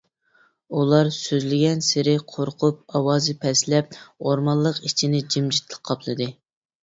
ئۇلار سۆزلىگەنسېرى قورقۇپ ئاۋازى پەسلەپ ئورمانلىق ئىچىنى جىمجىتلىق قاپلىدى.